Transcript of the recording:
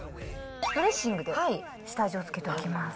ドレッシングで下味を付けておきます。